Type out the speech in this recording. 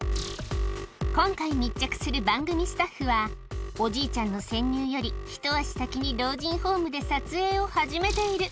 今回密着する番組スタッフは、おじいちゃんの潜入より一足先に老人ホームで撮影を始めている。